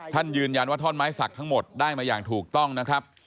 ยืนยันว่าท่อนไม้สักทั้งหมดได้มาอย่างถูกต้องนะครับ